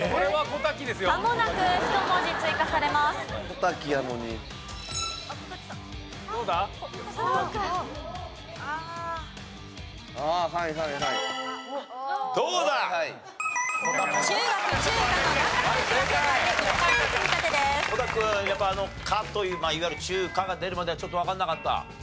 小瀧君やっぱ「華」といういわゆる中華が出るまではちょっとわかんなかった？